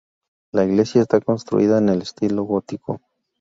La iglesia está construida en estilo gótico.